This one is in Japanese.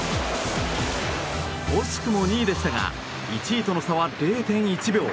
惜しくも２位でしたが１位との差は０．１秒。